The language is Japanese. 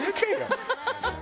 ハハハハ！